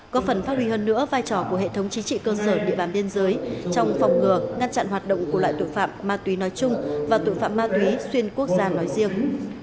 có phần phát huy hơn nữa vai trò của hệ thống chính trị cơ sở địa bàn biên giới trong phòng ngừa ngăn chặn hoạt động của loại tội phạm ma túy nói chung và tội phạm ma túy xuyên quốc gia nói riêng